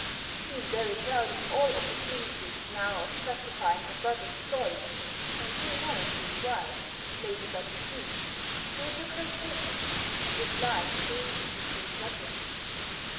She is very proud of all opportunities now of justifying her brother's choice, and doing honour to his wife, with Lady Betty C., who is her great favourite, and who delights to read Mrs. B.'s letters.